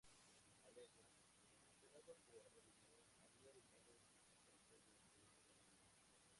Alejo, desesperado por obtener dinero, había ordenado confiscar todo el tesoro de la iglesia.